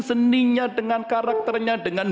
seninya dengan karakternya dengan